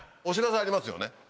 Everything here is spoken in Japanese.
お知らせありますよね？